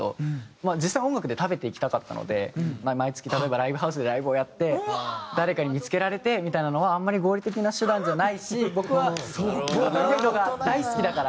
まあ実際音楽で食べていきたかったので毎月例えばライブハウスでライブをやって誰かに見付けられてみたいなのはあんまり合理的な手段じゃないし僕はボーカロイドが大好きだから。